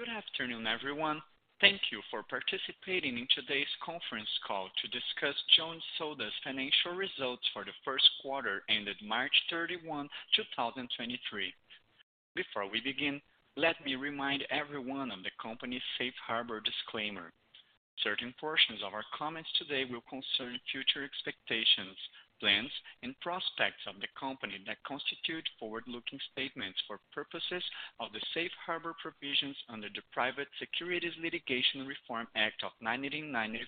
Good afternoon, everyone. Thank you for participating in today's conference call to discuss Jones Soda's financial results for the first quarter ended March 31, 2023. Before we begin, let me remind everyone of the company's safe harbor disclaimer. Certain portions of our comments today will concern future expectations, plans, and prospects of the company that constitute forward-looking statements for purposes of the safe harbor provisions under the Private Securities Litigation Reform Act of 1995.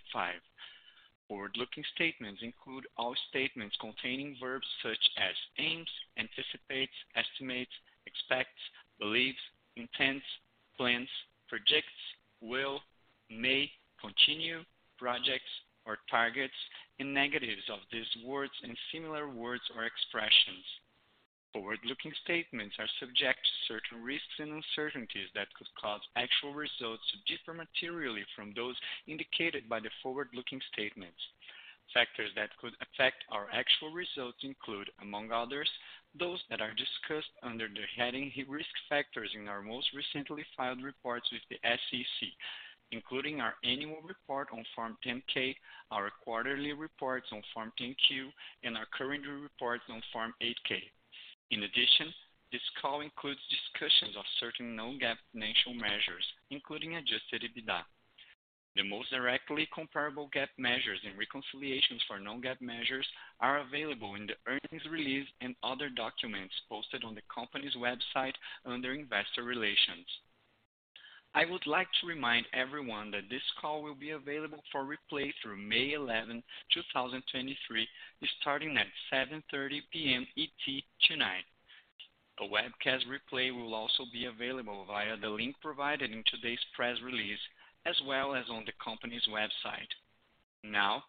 Forward-looking statements include all statements containing verbs such as aims, anticipates, estimates, expects, believes, intends, plans, projects, will, may, continue, projects or targets, and negatives of these words and similar words or expressions. Forward-looking statements are subject to certain risks and uncertainties that could cause actual results to differ materially from those indicated by the forward-looking statements. Factors that could affect our actual results include, among others, those that are discussed under the heading Risk Factors in our most recently filed reports with the SEC, including our annual report on Form 10-K, our quarterly reports on Form 10-Q, and our current reports on Form 8-K. In addition, this call includes discussions of certain non-GAAP financial measures, including Adjusted EBITDA. The most directly comparable GAAP measures and reconciliations for non-GAAP measures are available in the earnings release and other documents posted on the company's website under Investor Relations. I would like to remind everyone that this call will be available for replay through May 11, 2023, starting at 7:30 P.M. ET tonight. A webcast replay will also be available via the link provided in today's press release, as well as on the company's website. Now,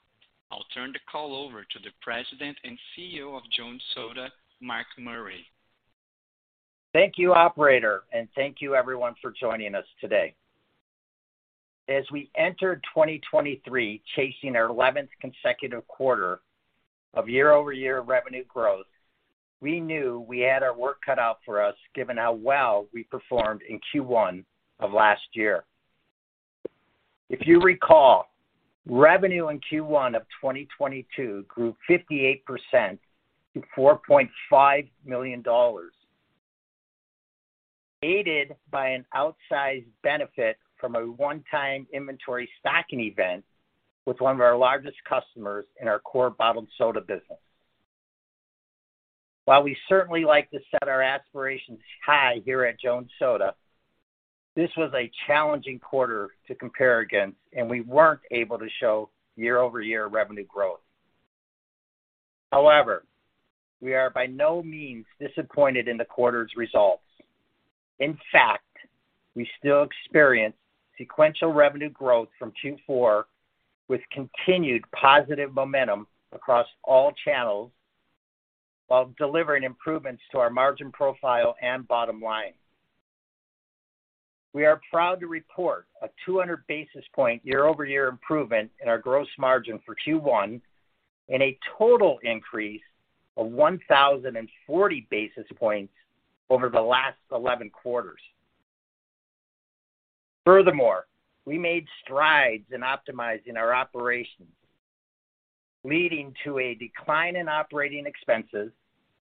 I'll turn the call over to the President and CEO of Jones Soda, Mark Murray. Thank you, operator, and thank you everyone for joining us today. As we enter 2023 chasing our 11th consecutive quarter of year-over-year revenue growth, we knew we had our work cut out for us given how well we performed in Q1 of last year. If you recall, revenue in Q1 of 2022 grew 58% to $4.5 million, aided by an outsized benefit from a one-time inventory stocking event with one of our largest customers in our core bottled soda business. While we certainly like to set our aspirations high here at Jones Soda, this was a challenging quarter to compare against, and we weren't able to show year-over-year revenue growth. However, we are by no means disappointed in the quarter's results. In fact, we still experienced sequential revenue growth from Q4 with continued positive momentum across all channels while delivering improvements to our margin profile and bottom line. We are proud to report a 200 basis point year-over-year improvement in our gross margin for Q1 and a total increase of 1,040 basis points over the last 11 quarters. We made strides in optimizing our operations, leading to a decline in operating expenses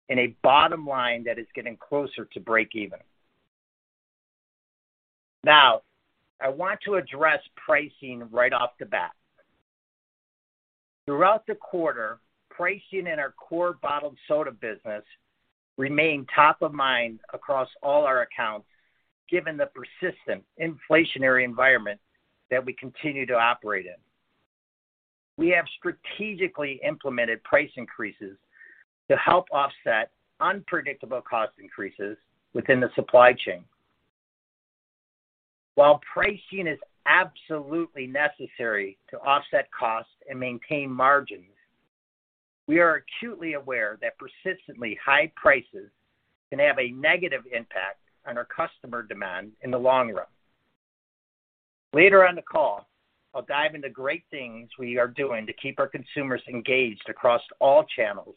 and a bottom line that is getting closer to breakeven. I want to address pricing right off the bat. Throughout the quarter, pricing in our core bottled soda business remained top of mind across all our accounts, given the persistent inflationary environment that we continue to operate in. We have strategically implemented price increases to help offset unpredictable cost increases within the supply chain. While pricing is absolutely necessary to offset costs and maintain margins, we are acutely aware that persistently high prices can have a negative impact on our customer demand in the long run. Later on the call, I'll dive into great things we are doing to keep our consumers engaged across all channels,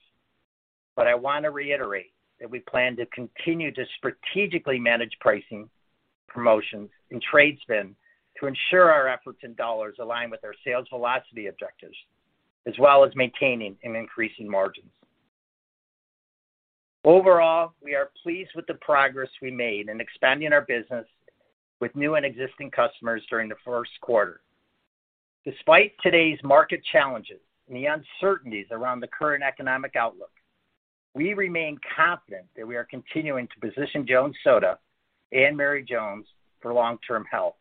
but I want to reiterate that we plan to continue to strategically manage pricing, promotions, and trade spend to ensure our efforts and dollars align with our sales velocity objectives, as well as maintaining and increasing margins. Overall, we are pleased with the progress we made in expanding our business with new and existing customers during the first quarter. Despite today's market challenges and the uncertainties around the current economic outlook, we remain confident that we are continuing to position Jones Soda and Mary Jones for long-term health.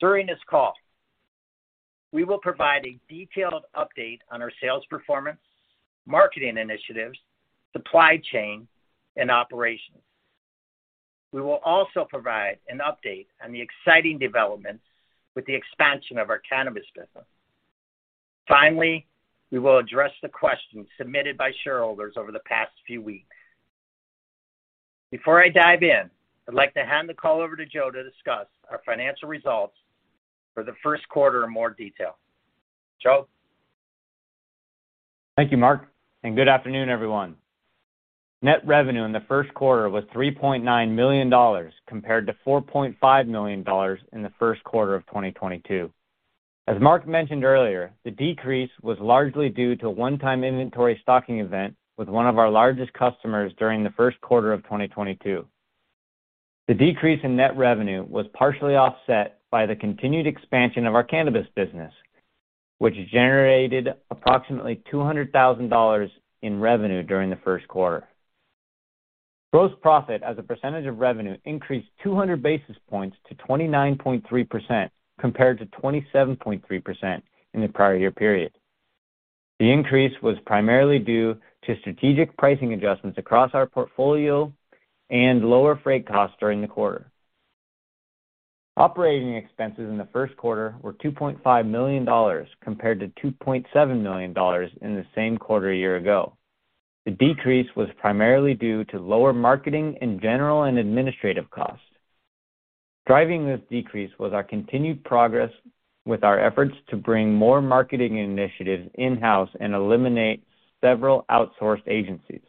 During this call, we will provide a detailed update on our sales performance, marketing initiatives, supply chain, and operations. We will also provide an update on the exciting developments with the expansion of our cannabis business. Finally, we will address the questions submitted by shareholders over the past few weeks. Before I dive in, I'd like to hand the call over to Joseph to discuss our financial results for the first quarter in more detail. Joseph? Thank you, Mark. Good afternoon, everyone. Net revenue in the first quarter was $3.9 million compared to $4.5 million in the first quarter of 2022. As Mark mentioned earlier, the decrease was largely due to a one-time inventory stocking event with one of our largest customers during the first quarter of 2022. The decrease in net revenue was partially offset by the continued expansion of our cannabis business, which generated approximately $200,000 in revenue during the first quarter. Gross profit as a percentage of revenue increased 200 basis points to 29.3%, compared to 27.3% in the prior year period. The increase was primarily due to strategic pricing adjustments across our portfolio and lower freight costs during the quarter. Operating expenses in the first quarter were $2.5 million compared to $2.7 million in the same quarter a year ago. The decrease was primarily due to lower marketing in general and administrative costs. Driving this decrease was our continued progress with our efforts to bring more marketing initiatives in-house and eliminate several outsourced agencies.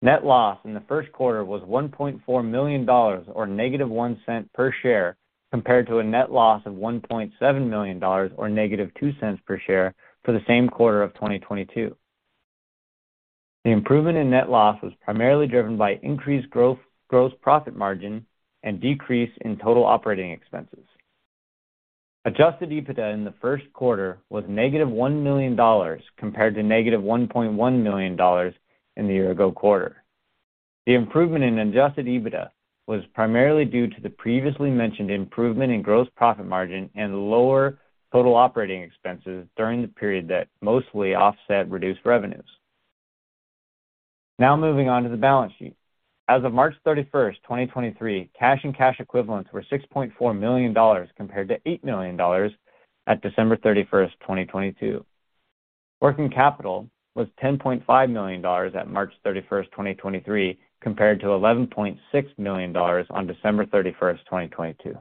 Net loss in the first quarter was $1.4 million or -$0.01 per share, compared to a net loss of $1.7 million or -$0.02 per share for the same quarter of 2022. The improvement in net loss was primarily driven by increased gross profit margin and decrease in total operating expenses. Adjusted EBITDA in the first quarter was -$1 million compared to -$1.1 million in the year ago quarter. The improvement in Adjusted EBITDA was primarily due to the previously mentioned improvement in gross profit margin and lower total operating expenses during the period that mostly offset reduced revenues. Moving on to the balance sheet. As of March 31, 2023, cash and cash equivalents were $6.4 million compared to $8 million at December 31, 2022. Working capital was $10.5 million at March 31, 2023, compared to $11.6 million on December 31, 2022.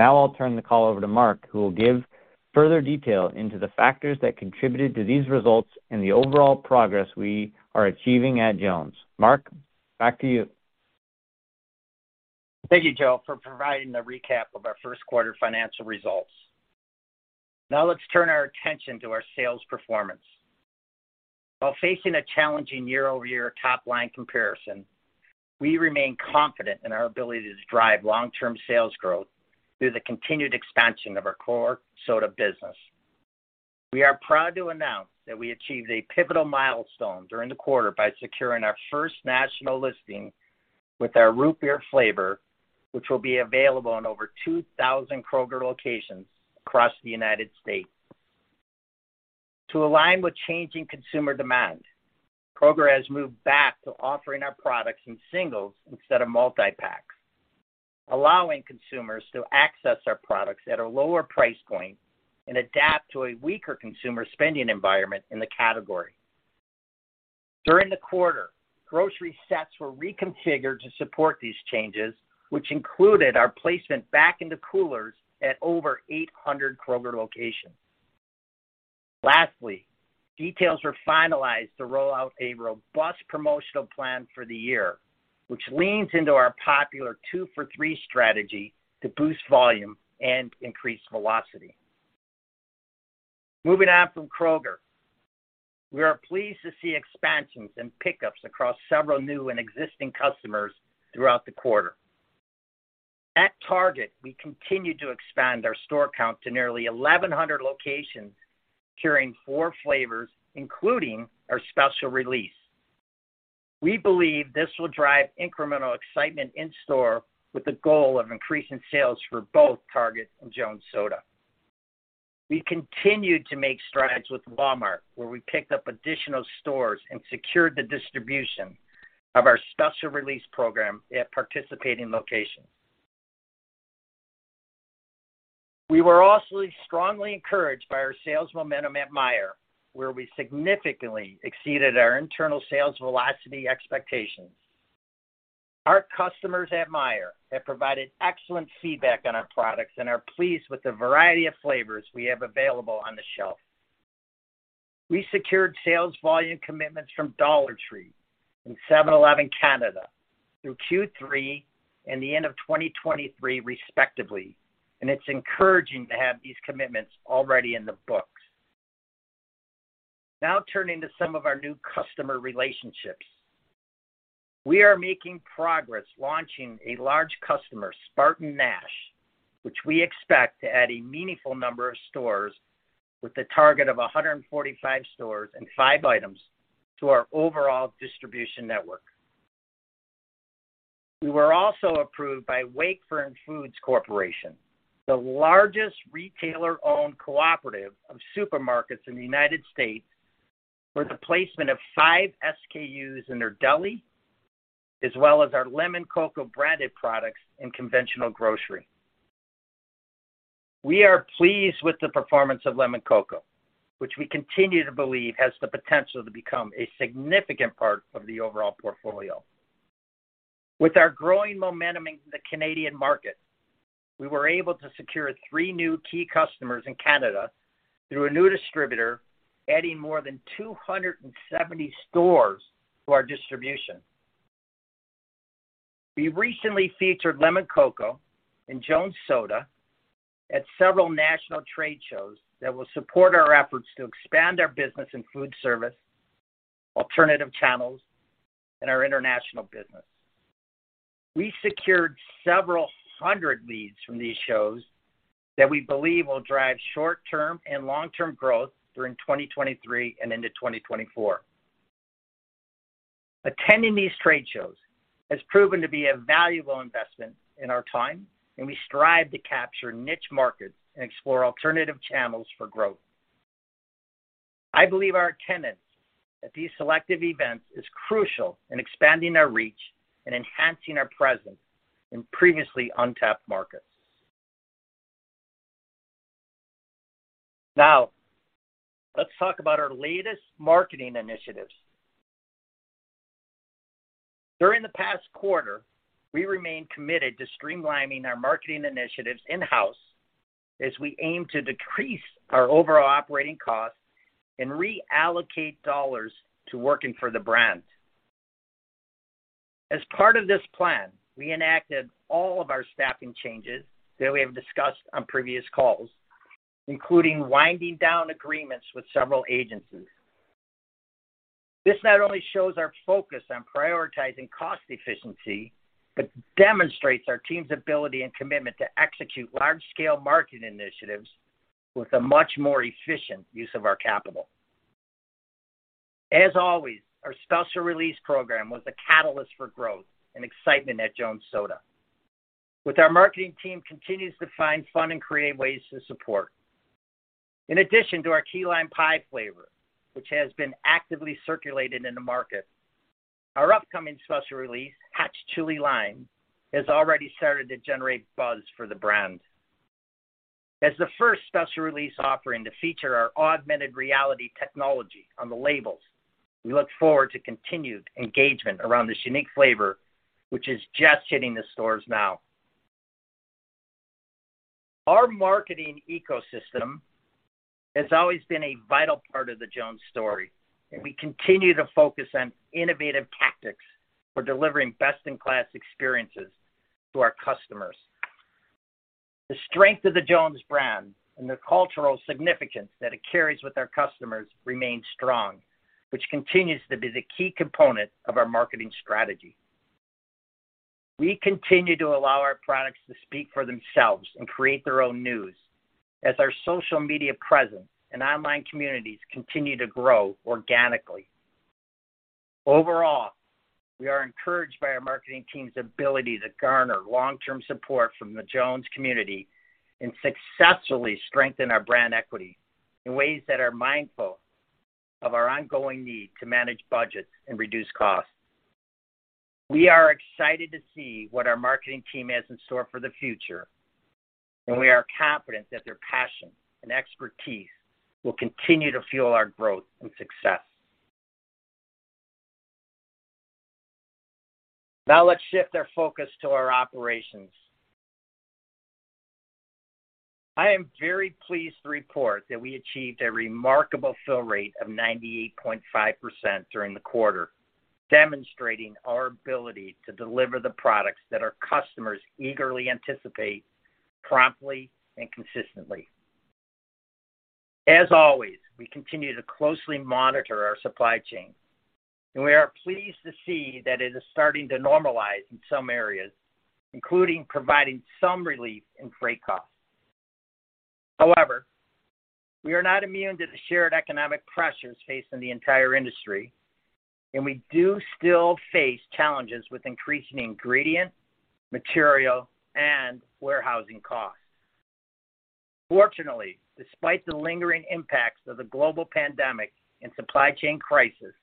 I'll turn the call over to Mark, who will give further detail into the factors that contributed to these results and the overall progress we are achieving at Jones. Mark, back to you. Thank you, Joseph, for providing the recap of our first quarter financial results. Now let's turn our attention to our sales performance. While facing a challenging year-over-year top-line comparison, we remain confident in our ability to drive long-term sales growth through the continued expansion of our core soda business. We are proud to announce that we achieved a pivotal milestone during the quarter by securing our first national listing with our root beer flavor, which will be available in over 2,000 Kroger locations across the United States. To align with changing consumer demand, Kroger has moved back to offering our products in singles instead of multi-packs, allowing consumers to access our products at a lower price point and adapt to a weaker consumer spending environment in the category. During the quarter, grocery sets were reconfigured to support these changes, which included our placement back into coolers at over 800 Kroger locations. Lastly, details were finalized to roll out a robust promotional plan for the year, which leans into our popular two-for-three strategy to boost volume and increase velocity. Moving on from Kroger, we are pleased to see expansions and pickups across several new and existing customers throughout the quarter. At Target, we continued to expand our store count to nearly 1,100 locations carrying four flavors, including our Special Release. We believe this will drive incremental excitement in store with the goal of increasing sales for both Target and Jones Soda. We continued to make strides with Walmart, where we picked up additional stores and secured the distribution of our Special Release program at participating locations. We were also strongly encouraged by our sales momentum at Meijer, where we significantly exceeded our internal sales velocity expectations. Our customers at Meijer have provided excellent feedback on our products and are pleased with the variety of flavors we have available on the shelf. We secured sales volume commitments from Dollar Tree and 7-Eleven Canada through Q3 and the end of 2023 respectively. It's encouraging to have these commitments already in the books. Now turning to some of our new customer relationships. We are making progress launching a large customer, SpartanNash, which we expect to add a meaningful number of stores with a target of 145 stores and five items to our overall distribution network. We were also approved by Wakefern Food Corp., the largest retailer-owned cooperative of supermarkets in the United States, for the placement of 5 SKUs in their deli, as well as our Lemoncocco branded products in conventional grocery. We are pleased with the performance of Lemoncocco, which we continue to believe has the potential to become a significant part of the overall portfolio. With our growing momentum in the Canadian market, we were able to secure three new key customers in Canada through a new distributor, adding more than 270 stores to our distribution. We recently featured Lemoncocco and Jones Soda Co. at several national trade shows that will support our efforts to expand our business in food service, alternative channels, and our international business. We secured several hundred leads from these shows that we believe will drive short-term and long-term growth during 2023 and into 2024. Attending these trade shows has proven to be a valuable investment in our time, and we strive to capture niche markets and explore alternative channels for growth. I believe our attendance at these selective events is crucial in expanding our reach and enhancing our presence in previously untapped markets. Now, let's talk about our latest marketing initiatives. During the past quarter, we remained committed to streamlining our marketing initiatives in-house as we aim to decrease our overall operating costs and reallocate dollars to working for the brand. As part of this plan, we enacted all of our staffing changes that we have discussed on previous calls, including winding down agreements with several agencies. This not only shows our focus on prioritizing cost efficiency but demonstrates our team's ability and commitment to execute large-scale marketing initiatives with a much more efficient use of our capital. As always, our Special Release Program was the catalyst for growth and excitement at Jones Soda, which our marketing team continues to find fun and creative ways to support. In addition to our Key Lime Pie flavor, which has been actively circulated in the market, our upcoming Special Release, Hatch Chile & Lime, has already started to generate buzz for the brand. As the first Special Release offering to feature our augmented reality technology on the labels, we look forward to continued engagement around this unique flavor, which is just hitting the stores now. Our marketing ecosystem has always been a vital part of the Jones story. We continue to focus on innovative tactics for delivering best-in-class experiences to our customers. The strength of the Jones brand and the cultural significance that it carries with our customers remains strong, which continues to be the key component of our marketing strategy. We continue to allow our products to speak for themselves and create their own news as our social media presence and online communities continue to grow organically. Overall, we are encouraged by our marketing team's ability to garner long-term support from the Jones community and successfully strengthen our brand equity in ways that are mindful of our ongoing need to manage budgets and reduce costs. We are excited to see what our marketing team has in store for the future, and we are confident that their passion and expertise will continue to fuel our growth and success. Now let's shift our focus to our operations. I am very pleased to report that we achieved a remarkable fill rate of 98.5% during the quarter, demonstrating our ability to deliver the products that our customers eagerly anticipate promptly and consistently. As always, we continue to closely monitor our supply chain, and we are pleased to see that it is starting to normalize in some areas, including providing some relief in freight costs. However, we are not immune to the shared economic pressures facing the entire industry, and we do still face challenges with increasing ingredient, material, and warehousing costs. Fortunately, despite the lingering impacts of the global pandemic and supply chain crisis,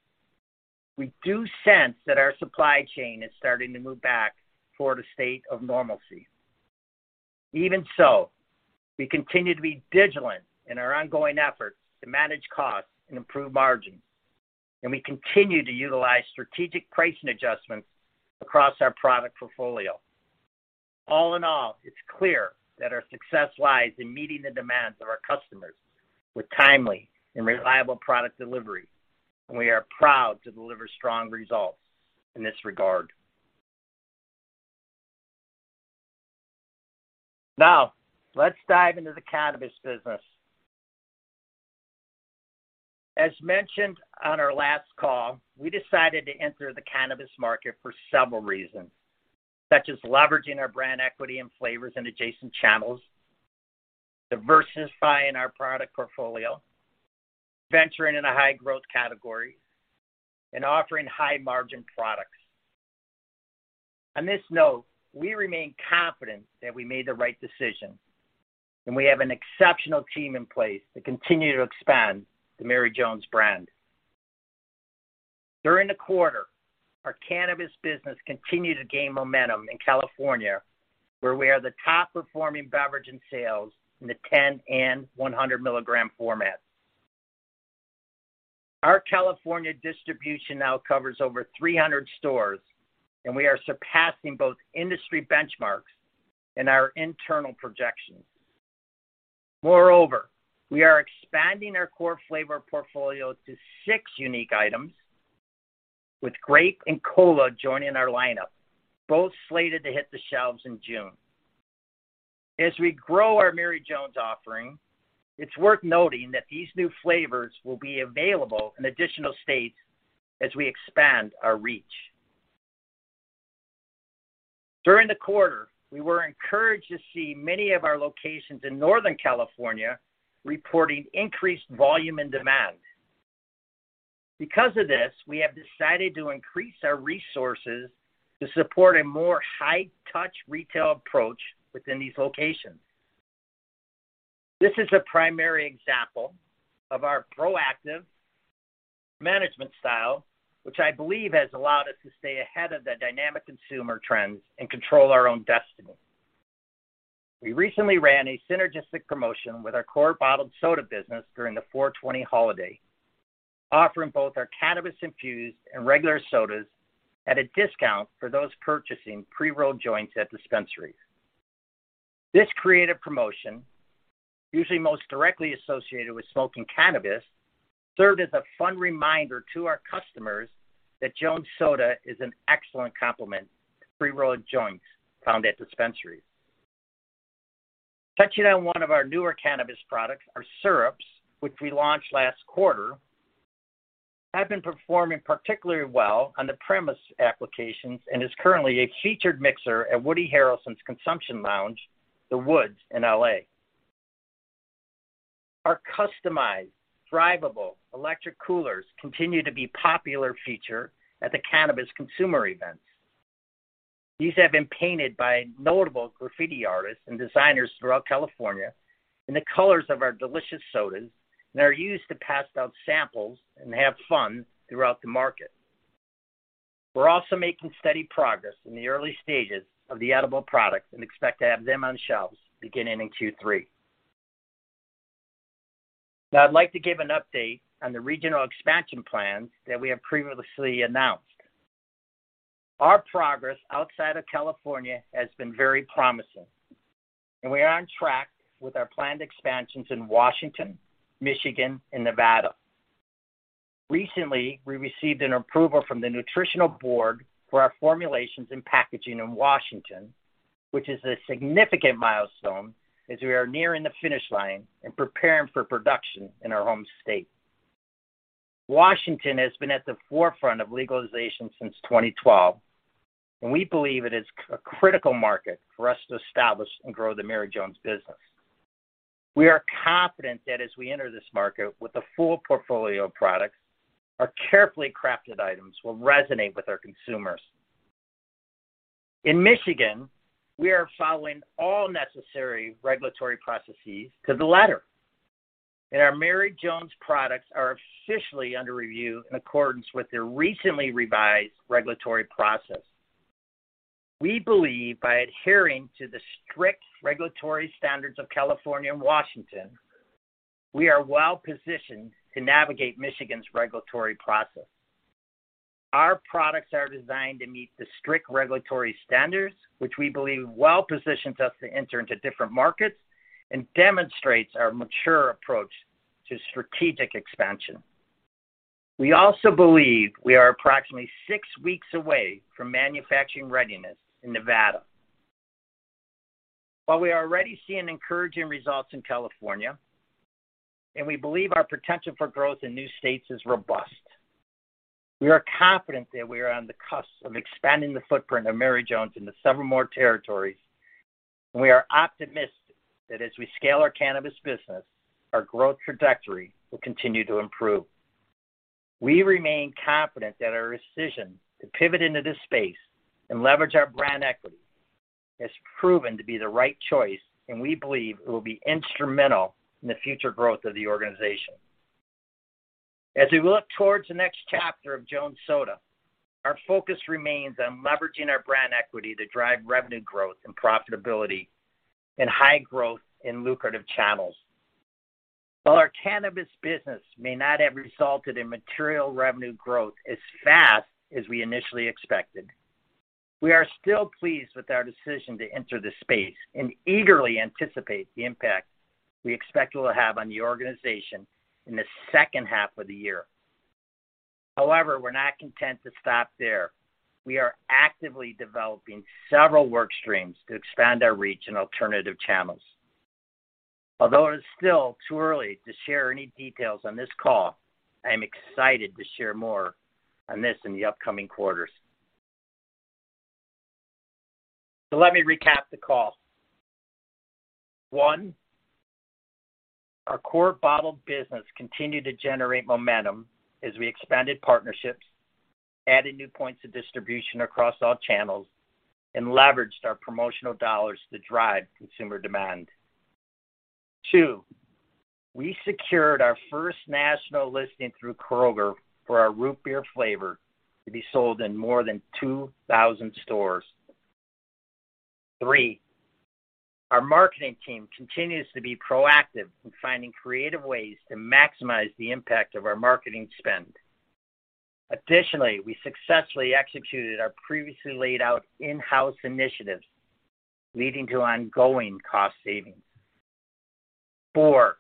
we do sense that our supply chain is starting to move back toward a state of normalcy. Even so, we continue to be vigilant in our ongoing efforts to manage costs and improve margins, and we continue to utilize strategic pricing adjustments across our product portfolio. All in all, it's clear that our success lies in meeting the demands of our customers with timely and reliable product delivery, and we are proud to deliver strong results in this regard. Now, let's dive into the cannabis business. As mentioned on our last call, we decided to enter the cannabis market for several reasons, such as leveraging our brand equity and flavors into adjacent channels, diversifying our product portfolio, venturing in a high-growth category, and offering high-margin products. On this note, we remain confident that we made the right decision, and we have an exceptional team in place to continue to expand the Mary Jones brand. During the quarter, our cannabis business continued to gain momentum in California, where we are the top-performing beverage in sales in the 10 and 100 milligram format. California distribution now covers over 300 stores, and we are surpassing both industry benchmarks and our internal projections. We are expanding our core flavor portfolio to six unique items, with grape and cola joining our lineup, both slated to hit the shelves in June. As we grow our Mary Jones offering, it's worth noting that these new flavors will be available in additional states as we expand our reach. During the quarter, we were encouraged to see many of our locations in Northern California reporting increased volume and demand. We have decided to increase our resources to support a more high-touch retail approach within these locations. This is a primary example of our proactive management style, which I believe has allowed us to stay ahead of the dynamic consumer trends and control our own destiny. We recently ran a synergistic promotion with our core bottled soda business during the 4/20 holiday, offering both our cannabis-infused and regular sodas at a discount for those purchasing pre-rolled joints at dispensaries. This creative promotion, usually most directly associated with smoking cannabis, served as a fun reminder to our customers that Jones Soda is an excellent complement to pre-rolled joints found at dispensaries. Touching on one of our newer cannabis products, our syrups, which we launched last quarter, have been performing particularly well on the premise applications and is currently a featured mixer at Woody Harrelson's consumption lounge, The Woods, in L.A. Our customized, drivable electric coolers continue to be popular feature at the cannabis consumer events. These have been painted by notable graffiti artists and designers throughout California in the colors of our delicious sodas and are used to pass out samples and have fun throughout the market. We're also making steady progress in the early stages of the edible products and expect to have them on shelves beginning in Q3. I'd like to give an update on the regional expansion plans that we have previously announced. Our progress outside of California has been very promising, and we are on track with our planned expansions in Washington, Michigan, and Nevada. Recently, we received an approval from the nutritional board for our formulations and packaging in Washington, which is a significant milestone as we are nearing the finish line and preparing for production in our home state. Washington has been at the forefront of legalization since 2012. We believe it is a critical market for us to establish and grow the Mary Jones business. We are confident that as we enter this market with a full portfolio of products, our carefully crafted items will resonate with our consumers. In Michigan, we are following all necessary regulatory processes to the letter. Our Mary Jones products are officially under review in accordance with their recently revised regulatory process. We believe by adhering to the strict regulatory standards of California and Washington, we are well-positioned to navigate Michigan's regulatory process. Our products are designed to meet the strict regulatory standards, which we believe well positions us to enter into different markets and demonstrates our mature approach to strategic expansion. We also believe we are approximately six weeks away from manufacturing readiness in Nevada. While we are already seeing encouraging results in California, and we believe our potential for growth in new states is robust, we are confident that we are on the cusp of expanding the footprint of Mary Jones into several more territories. We are optimistic that as we scale our cannabis business, our growth trajectory will continue to improve. We remain confident that our decision to pivot into this space and leverage our brand equity has proven to be the right choice, and we believe it will be instrumental in the future growth of the organization. As we look towards the next chapter of Jones Soda, our focus remains on leveraging our brand equity to drive revenue growth and profitability in high growth and lucrative channels. While our cannabis business may not have resulted in material revenue growth as fast as we initially expected, we are still pleased with our decision to enter the space and eagerly anticipate the impact we expect it will have on the organization in the second half of the year. However, we're not content to stop there. We are actively developing several work streams to expand our reach in alternative channels. Although it's still too early to share any details on this call, I'm excited to share more on this in the upcoming quarters. Let me recap the call. One, our core bottled business continued to generate momentum as we expanded partnerships, added new points of distribution across all channels, and leveraged our promotional dollars to drive consumer demand. Two, we secured our first national listing through Kroger for our root beer flavor to be sold in more than 2,000 stores. Three, our marketing team continues to be proactive in finding creative ways to maximize the impact of our marketing spend. Additionally, we successfully executed our previously laid out in-house initiatives, leading to ongoing cost savings. Four,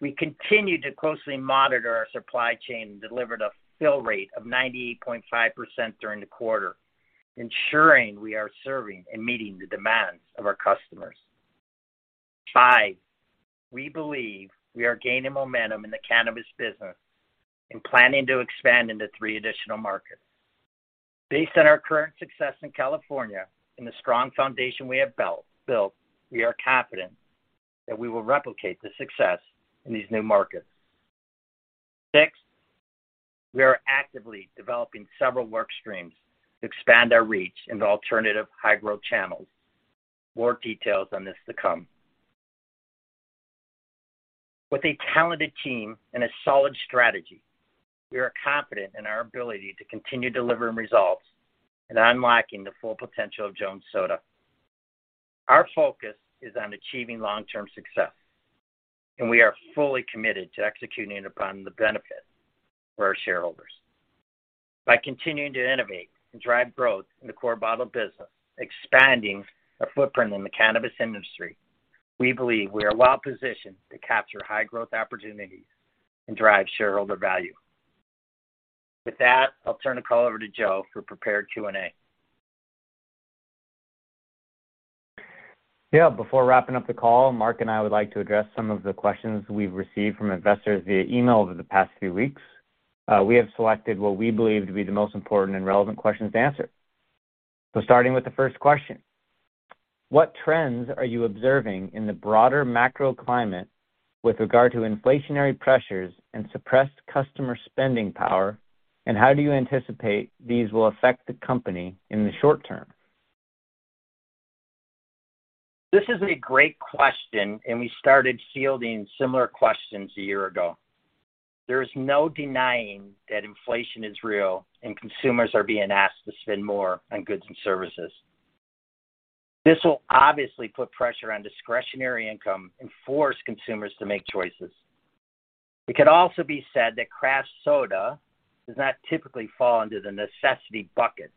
we continued to closely monitor our supply chain and delivered a fill rate of 98.5% during the quarter, ensuring we are serving and meeting the demands of our customers. Five, we believe we are gaining momentum in the cannabis business and planning to expand into three additional markets. Based on our current success in California and the strong foundation we have built, we are confident that we will replicate the success in these new markets. Six, we are actively developing several work streams to expand our reach into alternative high-growth channels. More details on this to come. With a talented team and a solid strategy, we are confident in our ability to continue delivering results and unlocking the full potential of Jones Soda. Our focus is on achieving long-term success, and we are fully committed to executing upon the benefit for our shareholders. By continuing to innovate and drive growth in the core bottle business, expanding our footprint in the cannabis industry, we believe we are well-positioned to capture high-growth opportunities and drive shareholder value. With that, I'll turn the call over to Joseph for prepared Q&A. Yeah. Before wrapping up the call, Mark and I would like to address some of the questions we've received from investors via email over the past few weeks. We have selected what we believe to be the most important and relevant questions to answer. Starting with the first question, what trends are you observing in the broader macro climate with regard to inflationary pressures and suppressed customer spending power? How do you anticipate these will affect the company in the short term? This is a great question. We started fielding similar questions a year ago. There is no denying that inflation is real and consumers are being asked to spend more on goods and services. This will obviously put pressure on discretionary income and force consumers to make choices. It could also be said that craft soda does not typically fall under the necessity bucket.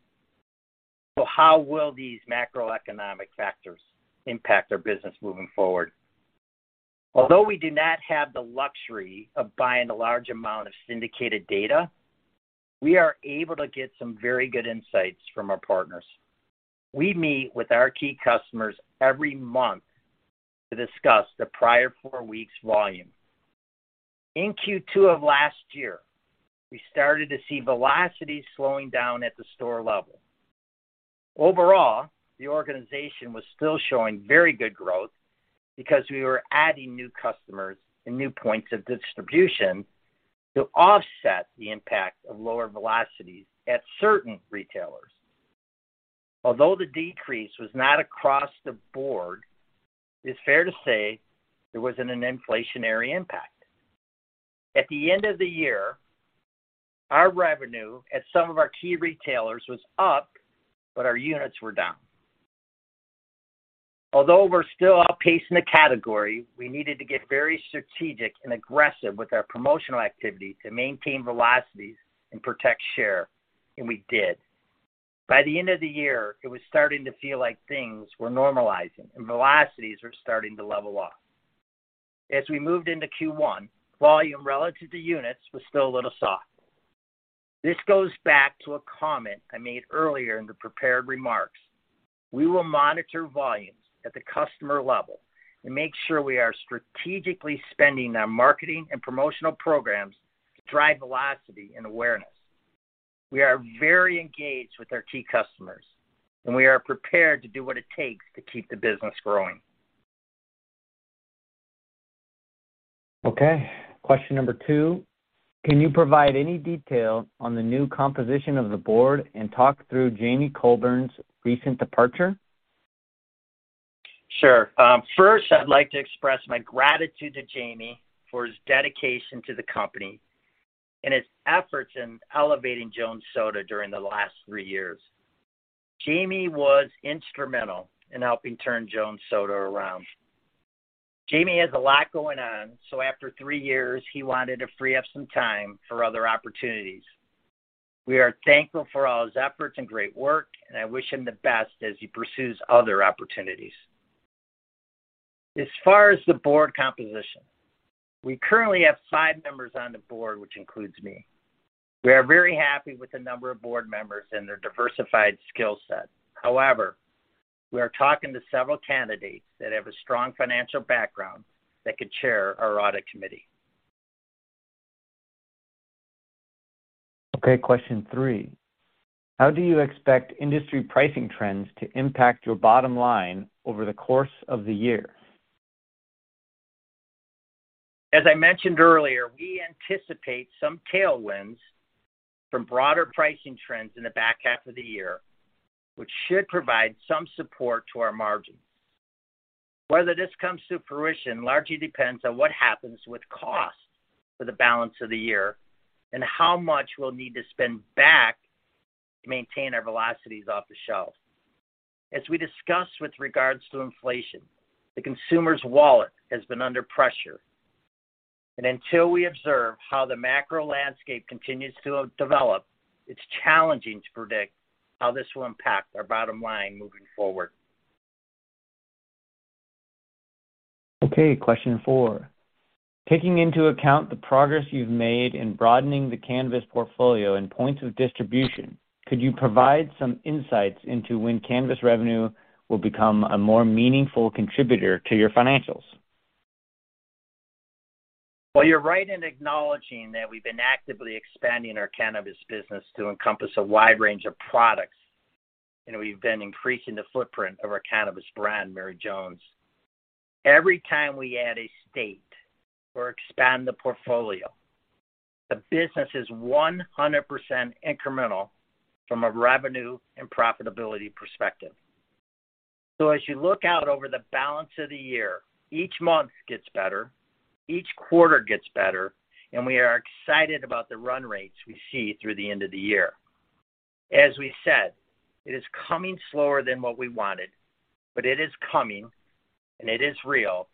How will these macroeconomic factors impact our business moving forward? Although we do not have the luxury of buying a large amount of syndicated data, we are able to get some very good insights from our partners. We meet with our key customers every month to discuss the prior four weeks volume. In Q2 of last year, we started to see velocity slowing down at the store level. Overall, the organization was still showing very good growth because we were adding new customers and new points of distribution to offset the impact of lower velocities at certain retailers. Although the decrease was not across the board, it's fair to say there was an inflationary impact. At the end of the year, our revenue at some of our key retailers was up, but our units were down. Although we're still outpacing the category, we needed to get very strategic and aggressive with our promotional activity to maintain velocities and protect share, and we did. By the end of the year, it was starting to feel like things were normalizing and velocities were starting to level off. As we moved into Q1, volume relative to units was still a little soft. This goes back to a comment I made earlier in the prepared remarks. We will monitor volumes at the customer level and make sure we are strategically spending our marketing and promotional programs to drive velocity and awareness. We are very engaged with our key customers, and we are prepared to do what it takes to keep the business growing. Okay. Question number two, can you provide any detail on the new composition of the board and talk through Jamie Colbourne's recent departure? Sure. First I'd like to express my gratitude to Jamie for his dedication to the company and his efforts in elevating Jones Soda during the last three years. Jamie was instrumental in helping turn Jones Soda around. Jamie has a lot going on, so after three years, he wanted to free up some time for other opportunities. We are thankful for all his efforts and great work, and I wish him the best as he pursues other opportunities. As far as the board composition, we currently have five members on the board, which includes me. We are very happy with the number of board members and their diversified skill set. However, we are talking to several candidates that have a strong financial background that could chair our audit committee. Okay. Question three, how do you expect industry pricing trends to impact your bottom line over the course of the year? As I mentioned earlier, we anticipate some tailwinds from broader pricing trends in the back half of the year, which should provide some support to our margins. Whether this comes to fruition largely depends on what happens with costs for the balance of the year and how much we'll need to spend back to maintain our velocities off the shelf. As we discussed with regards to inflation, the consumer's wallet has been under pressure. Until we observe how the macro landscape continues to develop, it's challenging to predict how this will impact our bottom line moving forward. Question four. Taking into account the progress you've made in broadening the cannabis portfolio and points of distribution, could you provide some insights into when cannabis revenue will become a more meaningful contributor to your financials? Well, you're right in acknowledging that we've been actively expanding our cannabis business to encompass a wide range of products, and we've been increasing the footprint of our cannabis brand, Mary Jones. Every time we add a state or expand the portfolio, the business is 100% incremental from a revenue and profitability perspective. As you look out over the balance of the year, each month gets better, each quarter gets better, and we are excited about the run rates we see through the end of the year. As we said, it is coming slower than what we wanted, but it is coming, and it is real,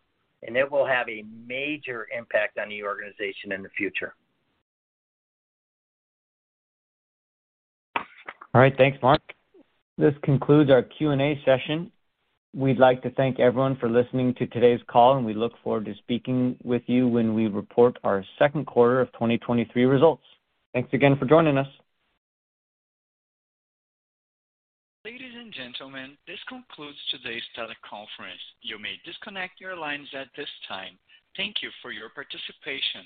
and it will have a major impact on the organization in the future. All right, thanks, Mark. This concludes our Q&A session. We'd like to thank everyone for listening to today's call, and we look forward to speaking with you when we report our second quarter of 2023 results. Thanks again for joining us. Ladies and gentlemen, this concludes today's teleconference. You may disconnect your lines at this time. Thank you for your participation.